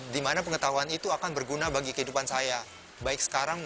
di mana pengetahuan itu akan berguna bagi kehidupan saya